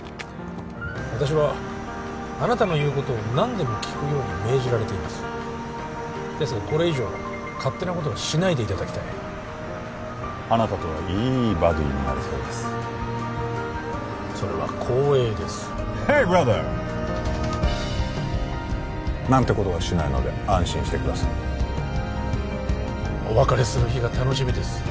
私はあなたの言うことを何でも聞くように命じられていますですがこれ以上勝手なことはしないでいただきたいあなたとはいいバディになれそうですそれは光栄ですヘイブラザー！なんてことはしないので安心してくださいお別れする日が楽しみです